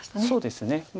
そうですね。